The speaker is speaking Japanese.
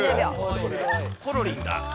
ころりんだ。